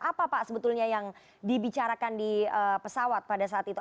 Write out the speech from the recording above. apa pak sebetulnya yang dibicarakan di pesawat pada saat itu